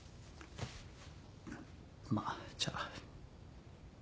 まあじゃあ。